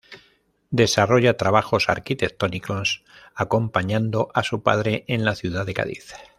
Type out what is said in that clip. Desarrolla trabajos arquitectónicos, acompañando a su padre, en la ciudad de Cádiz.